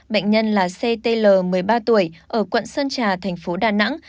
bệnh nhân là ctl một mươi ba tuổi ở quận sơn trà thành phố đà nẵng